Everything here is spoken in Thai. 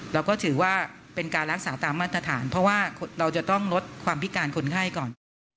เราก็ถือว่าเป็นการรักษาตามมาตรฐานเพราะว่าเราจะต้องลดความพิการคนไข้ก่อน